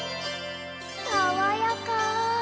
さわやか。